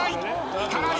引かない。